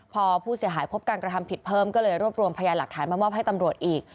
พอผู้เสียหายพบการกระทำผิดเพิ่มก็เลยรวบรวมพยานหลักฐานมามอบให้ตำรวจอีก